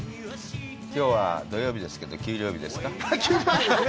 きょうは土曜日ですけど、給料日ですか？